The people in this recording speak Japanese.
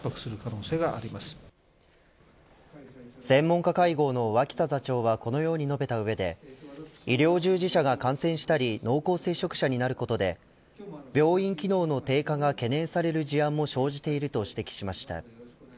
専門家会合の脇田座長はこのように述べた上で医療従事者が感染したり濃厚接触者になることで病院機能の低下が懸念される事案も生じていると指摘しました。